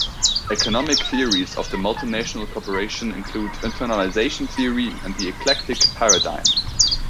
Economic theories of the multinational corporation include internalization theory and the eclectic paradigm.